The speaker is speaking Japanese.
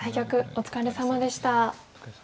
お疲れさまでした。